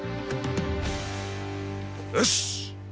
よし！